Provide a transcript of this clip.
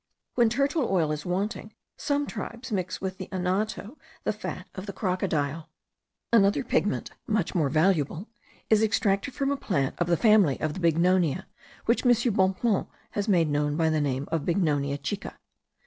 When turtle oil is wanting, some tribes mix with the anato the fat of the crocodile. Another pigment, much more valuable, is extracted from a plant of the family of the bignoniae, which M. Bonpland has made known by the name of Bignonia chica.